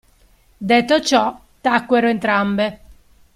Detto ciò tacquero entrambe.